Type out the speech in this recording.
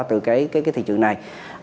từ cái thị trường này